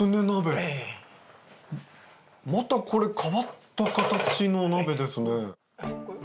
またこれ変わった形の鍋ですね。